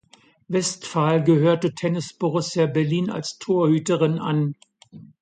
Westphal gehörte Tennis Borussia Berlin als Torhüterin an.